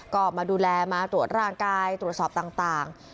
ก็มาดูแลมาตรวจร่างกายตรวจสอบต่าง